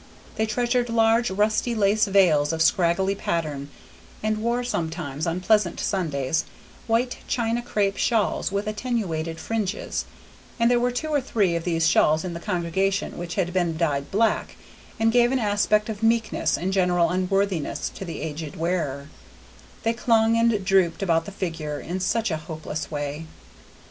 They treasured large rusty lace veils of scraggly pattern, and wore sometimes, on pleasant Sundays, white China crape shawls with attenuated fringes; and there were two or three of these shawls in the congregation which had been dyed black, and gave an aspect of meekness and general unworthiness to the aged wearer, they clung and drooped about the figure in such a hopeless way.